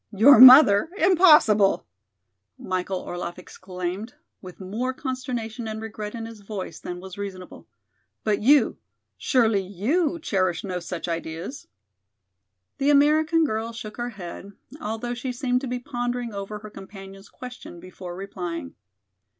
"Your mother, impossible!" Michael Orlaff exclaimed, with more consternation and regret in his voice than was reasonable. "But you, surely you cherish no such ideas?" The American girl shook her head, although she seemed to be pondering over her companion's question before replying.